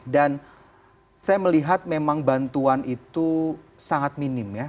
dan saya melihat memang bantuan itu sangat minim ya